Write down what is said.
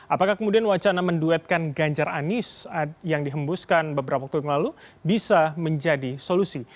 apakah kemudian wacana menduetkan ganjar anis yang dihembuskan beberapa waktu yang lalu bisa menjadi solusi